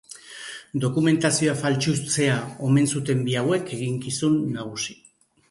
Dokumentazioa faltsutzea omen zuten bi hauek eginkizun nagusi.